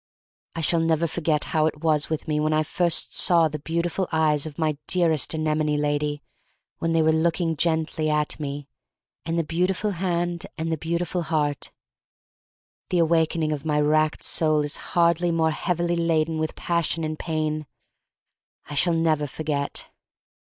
I shall never forget how it was with me when I first saw the beautiful eyes 278 THE STORY OF MARY MAC LANE 279 of my dearest anemone lady when they were looking gently — at me — and the beautiful hand, and the beautiful heart. The awakening of my racked soul is hardly more heavily laden with passion and pain. I shall never forget.